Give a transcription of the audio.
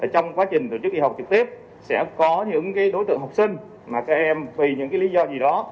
trong quá trình tổ chức y học trực tiếp sẽ có những đối tượng học sinh mà các em vì những lý do gì đó